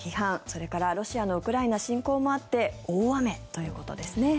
それからロシアのウクライナ侵攻もあって大雨ということですね。